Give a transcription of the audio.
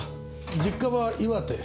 実家は岩手。